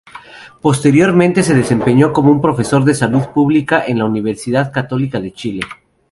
Posteriormente se desempeñó como profesor de Salud Pública en la Universidad Católica de Chile.